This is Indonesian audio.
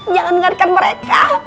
jangan dengarkan mereka